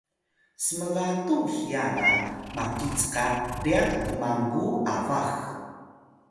smgatu hiya ga maki cka ryax tmangux abax